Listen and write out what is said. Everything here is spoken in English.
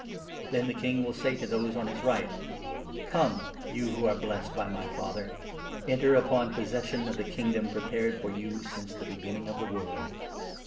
Then the King will 34 say to those on his right ' Come, you who are blessed by my Father, enter upon possession of the Kingdom prepared for you ever since the beginning of the world.